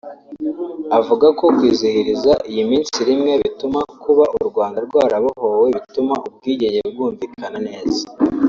Avuga ko kwizihiriza iyi minsi rimwe bituma kuba u Rwanda rwarabohowe bituma ubwigenge bwumvikana neza